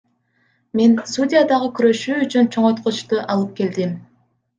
Мен судья дагы көрүшү үчүн чоңойткучту алып келдим.